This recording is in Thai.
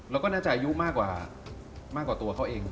แล้วก็น่าจะอายุมากกว่าตัวเค้าเอง